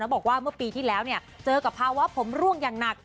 บอกว่าเมื่อปีที่แล้วเจอกับภาวะผมร่วงอย่างหนัก